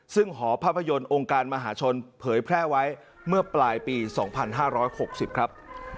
ซึ่งหอภาพยนตร์องค์การมหาชนเผยแพร่ไว้เมื่อปลายปี๒๕๖๐ครับ